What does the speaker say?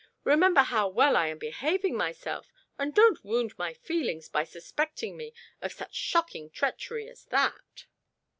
"Remember how well I am behaving myself, and don't wound my feelings by suspecting me of such shocking treachery as that!"